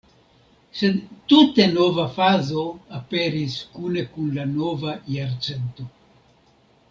Sed tute nova fazo aperis kune kun la nova jarcento.